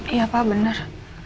iya pak benar